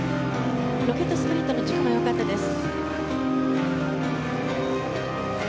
ロケットスプリットの軸は良かったです。